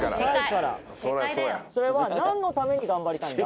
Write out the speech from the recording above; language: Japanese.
それは何のために頑張りたいんだ？